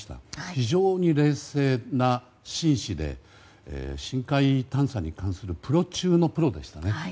非常に冷静な紳士で深海探査に関するプロ中のプロでして。